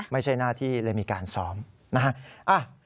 ไม่ใช่หน้าที่เลยมีการซ้อมนะฮะ